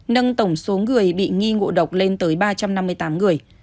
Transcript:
nâng tổng số người bị nghi ngộ độc lên tới ba trăm năm mươi tám người